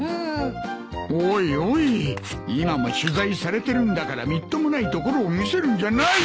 おいおい今も取材されてるんだからみっともないところを見せるんじゃない。